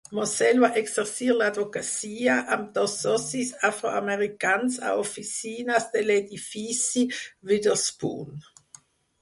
Mossell va exercir l'advocacia amb dos socis afroamericans a oficines de l'edifici Witherspoon.